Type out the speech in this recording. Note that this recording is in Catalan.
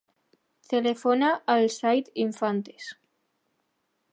Telefona al Zaid Infantes.